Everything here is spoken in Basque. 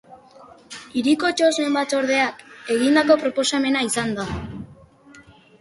Hiriko txosnen batzordeak egindako proposamena izan da.